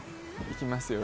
いきますよ。